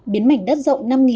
biến mảnh đất rộng